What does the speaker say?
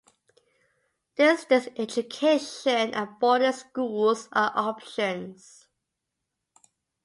Distance education and boarding schools are options.